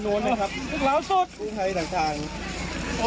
ตอนนี้คือว่าย้าทที่เดี่ยว